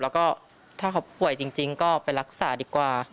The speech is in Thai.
แล้วก็ถ้าเขาป่วยจริงก็ไปรักษาดีกว่า